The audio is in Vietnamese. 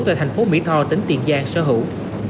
về thành phố mỹ tho tỉnh tiền giang sở hữu